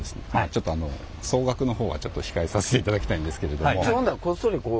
ちょっとあの総額のほうはちょっと控えさせていただきたいんですけれども。